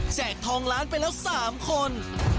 แจกทองล้านไปแล้วสามคน